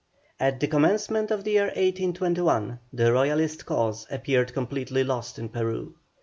At the commencement of the year 1821 the Royalist cause appeared completely lost in Peru.